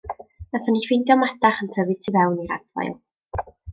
Nathon ni ffendio madarch yn tyfu tu fewn i'r adfail.